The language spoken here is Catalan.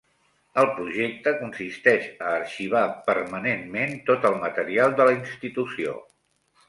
El projecte consisteix a arxivar permanentment tot el material de la institució.